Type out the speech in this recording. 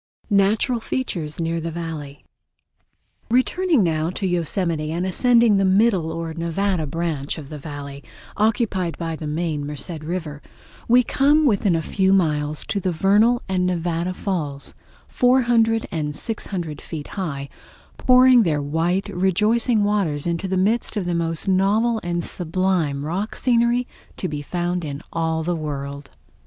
Natural Features Near The Valley Returning now to Yosemite and ascending the middle or Nevada branch of the Valley, occupied by the main Merced River, we come within a few miles to the Vernal and Nevada Falls, 400 and 600 feet high, pouring their white, rejoicing waters in the midst of the most novel and sublime rock scenery to be found in all the World.